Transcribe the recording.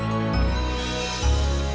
bapakku aku berharap itu sudah terserah